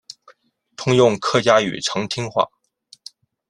通用客家语长汀话。